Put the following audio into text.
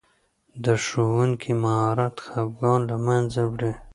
د ښوونکي مهارت خفګان له منځه وړي.